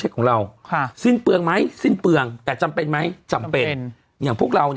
ของเราค่ะสิ้นเปลืองไหมสิ้นเปลืองแต่จำเป็นไหมจำเป็นอย่างพวกเราเนี่ย